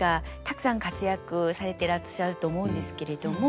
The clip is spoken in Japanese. たくさん活躍されてらっしゃると思うんですけれども。